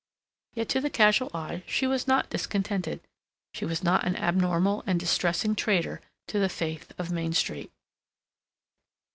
Yet to the casual eye she was not discontented, she was not an abnormal and distressing traitor to the faith of Main Street.